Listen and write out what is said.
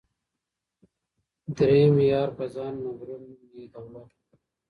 دریم یار په ځان مغرور نوم یې دولت وو